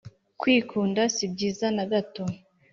kwikunda sibyiza nagato